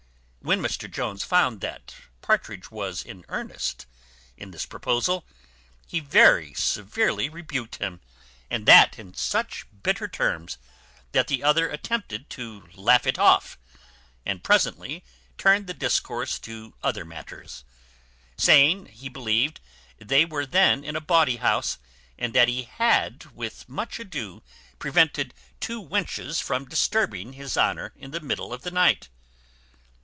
When Mr Jones found that Partridge was in earnest in this proposal, he very severely rebuked him, and that in such bitter terms, that the other attempted to laugh it off, and presently turned the discourse to other matters; saying, he believed they were then in a bawdy house, and that he had with much ado prevented two wenches from disturbing his honour in the middle of the night.